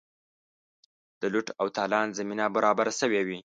د لوټ او تالان زمینه برابره سوې وي.